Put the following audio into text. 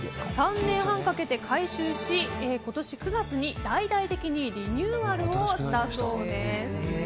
３年半かけて改修し、今年９月に大々的にリニューアルをしたそうです。